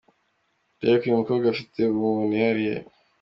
Derek ’uyu mukobwa afite ubumuntu yihariye’.